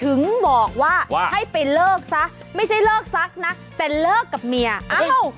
ถึงบอกว่าให้ไปเลิกซะไม่ใช่เลิกซักนะแต่เลิกกับเมียเอ้า